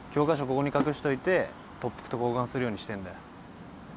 ここに隠しといて特服と交換するようにしてんだよ。